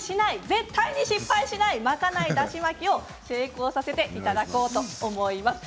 絶対に失敗しない巻かないだし巻きを成功させていただこうと思います。